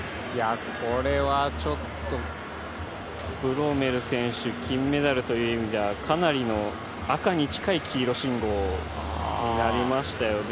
これはちょっとブロメル選手、金メダルという意味ではかなり赤に近い黄色信号になりましたね。